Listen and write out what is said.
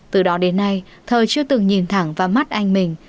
từ đó đến nay thời chưa từng nhìn thẳng vào mắt anh mình